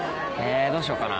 えどうしようかな。